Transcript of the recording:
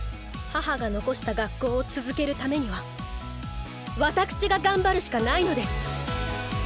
母が残した学校を続けるためにはわたくしが頑張るしかないのです。